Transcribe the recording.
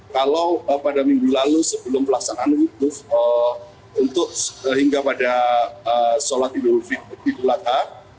kalau pada minggu lalu sebelum pelaksanaan ibu fitri hingga pada sholat ibu fitri di pulaka